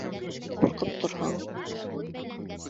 Ҡурҡып торһаң...